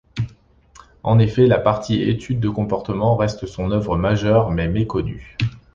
En effet, la partie étude de comportement reste son œuvre majeure mais méconnue.